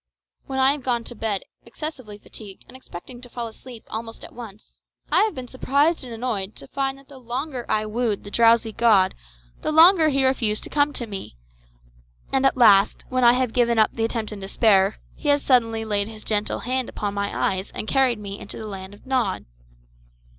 When I have gone to bed excessively fatigued and expecting to fall asleep almost at once, I have been surprised and annoyed to find that the longer I wooed the drowsy god the longer he refused to come to me; and at last, when I have given up the attempt in despair, he has suddenly laid his gentle hand upon my eyes and carried me into the land of Nod.